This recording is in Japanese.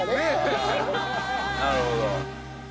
なるほど。